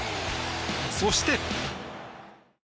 そして。